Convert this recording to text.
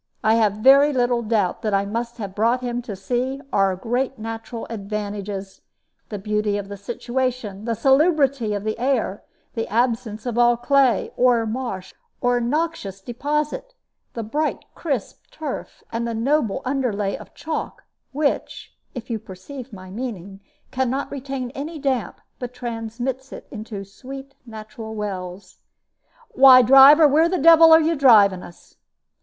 I have very little doubt that I must have brought him to see our great natural advantages the beauty of the situation, the salubrity of the air, the absence of all clay, or marsh, or noxious deposit, the bright crisp turf, and the noble underlay of chalk, which (if you perceive my meaning) can not retain any damp, but transmits it into sweet natural wells. Why, driver, where the devil are you driving us?"